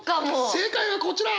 正解はこちら！